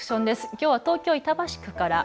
きょうは東京板橋区から。